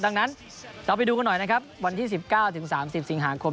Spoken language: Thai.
ดังนั้นเราไปดูกันหน่อยนะครับวันที่๑๙๓๐สิงหาคม